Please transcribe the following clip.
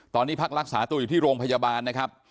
ตอนนี้พักรักษาตัวอยู่ที่โรงพยาบาลนะครับ